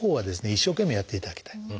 一生懸命やっていただきたい。